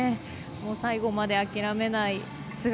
最後まで諦めない姿。